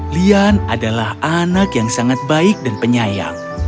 lian adalah anak yang sangat baik dan penyayang